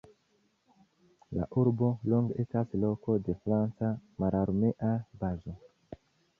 La urbo longe estas loko de franca mararmea bazo.